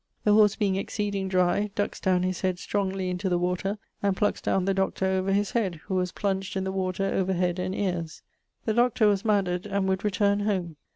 The horse being exceeding dry, ducks downe his head strongly into the water, and plucks downe the Dr. over his head, who was plunged in the water over head and eares. The Dr. was madded, and would returne home.